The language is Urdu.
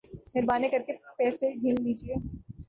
مہربانی کر کے پیسے گن لیجئے